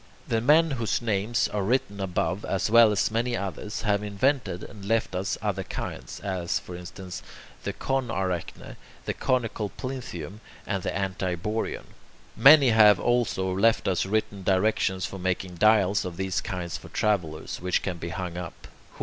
The men whose names are written above, as well as many others, have invented and left us other kinds: as, for instance, the Conarachne, the Conical Plinthium, and the Antiborean. Many have also left us written directions for making dials of these kinds for travellers, which can be hung up.